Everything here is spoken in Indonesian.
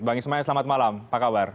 bang ismail selamat malam apa kabar